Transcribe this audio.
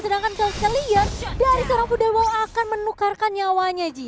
sedangkan chelsea liar dari serang fudolwo akan menukarkan nyawanya ji